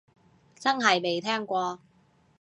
真係未聽過